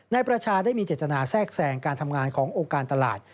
ในประชาได้มีเจตนาแทรกแสงการทำงานของโอกาสตลาด